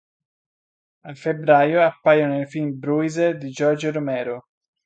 A febbraio appaiono nel film "Bruiser" di George Romero.